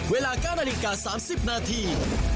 เวลา๙นาฬิกา๓๐นาที